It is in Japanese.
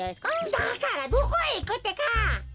だからどこへいくってか。